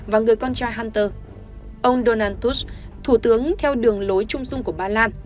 và người con trai hunter ông donald tusk thủ tướng theo đường lối trung dung của ba lan